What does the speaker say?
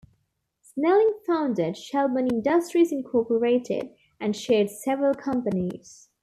Snelling founded Shelburne Industries, Incorporated and chaired several companies.